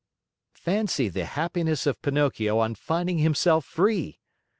Fancy the happiness of Pinocchio on finding himself free!